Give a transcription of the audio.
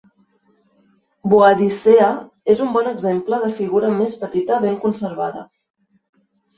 "Boadicea" és un bon exemple de figura més petita ben conservada.